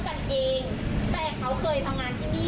ใช่แล้วสาเหตุที่พวกเข้ามาฟันเราไม่รู้เลยเขามีเรื่องกันมาก่อนด้านนอก